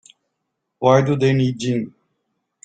Why do they need gin?